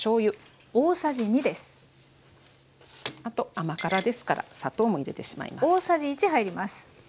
あと甘辛ですから砂糖も入れてしまいます。